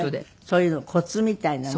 そういうのコツみたいなの？